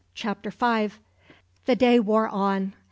CHAPTER V. The day wore on.